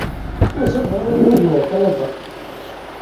Mazal bɣan ad inigen ɣer Kanada?